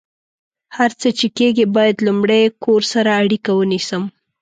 هر څه چې کیږي، باید لمړۍ کور سره اړیکه ونیسم